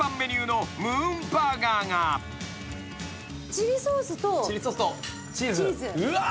チリソースとチーズ。